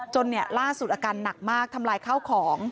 ล่าสุดอาการหนักมากทำลายข้าวของ